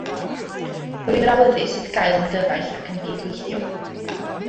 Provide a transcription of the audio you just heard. Yr wyf yn awyddus i'th gael yn gyfaill ac yn gydweithiwr.